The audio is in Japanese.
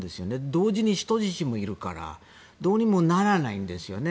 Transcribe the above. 同時に人質もいるからどうにもならないんですよね。